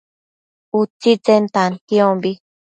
utsitsen tantiombi